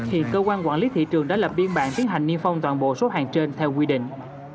hiện cơ quan quản lý thị trường đã lập biên bản tiến hành niêm phong toàn bộ số hàng trên theo quy định